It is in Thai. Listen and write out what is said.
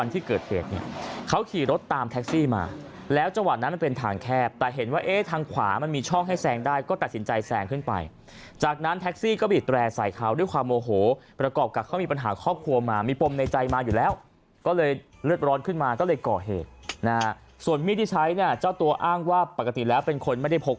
ที่เกิดเหตุเนี่ยเขาขี่รถตามแท็กซี่มาแล้วจังหวะนั้นมันเป็นทางแคบแต่เห็นว่าเอ๊ะทางขวามันมีช่องให้แซงได้ก็ตัดสินใจแซงขึ้นไปจากนั้นแท็กซี่ก็บีดแร่ใส่เขาด้วยความโมโหประกอบกับเขามีปัญหาครอบครัวมามีปมในใจมาอยู่แล้วก็เลยเลือดร้อนขึ้นมาก็เลยก่อเหตุนะฮะส่วนมีดที่ใช้เนี่ยเจ้าตัวอ้างว่าปกติแล้วเป็นคนไม่ได้พก